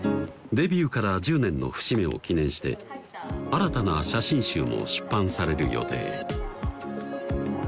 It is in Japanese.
デビューから１０年の節目を記念して新たな写真集も出版される予定